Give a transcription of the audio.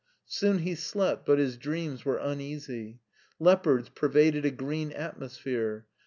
Soon he slept, but his dreams were uneasy. Leopards pervaded a green atmosphere.